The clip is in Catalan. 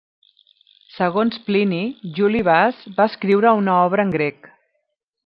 Segons Plini, Juli Bas va escriure una obra en grec.